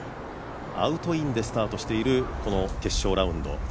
アウトインでスタートしている、この決勝ラウンド。